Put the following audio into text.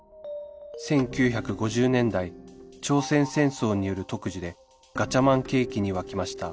１９５０年代朝鮮戦争による特需で「ガチャマン景気」に沸きました